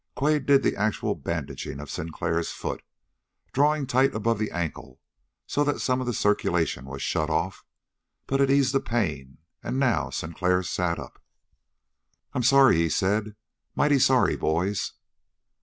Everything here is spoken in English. Quade did the actual bandaging of Sinclair's foot, drawing tight above the ankle, so that some of the circulation was shut off; but it eased the pain, and now Sinclair sat up. "I'm sorry," he said, "mighty sorry, boys!"